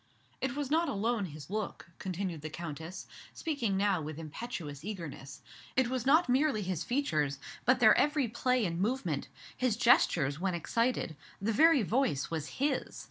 "It was not alone his look," continued the Countess, speaking now with impetuous eagerness, "it was not merely his features, but their every play and movement; his gestures when excited; the very voice was his.